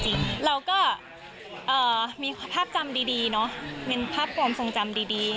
เราก็มีภาพจำดีเนาะเป็นภาพความทรงจำดี